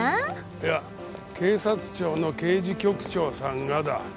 いや警察庁の刑事局長さんがだ